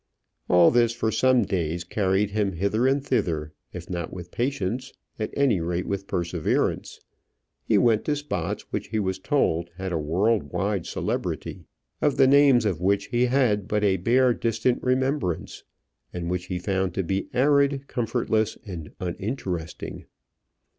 All this for some days carried him hither and thither, if not with patience, at any rate with perseverance. He went to spots which he was told had a world wide celebrity, of the names of which he had but a bare distant remembrance, and which he found to be arid, comfortless, and uninteresting.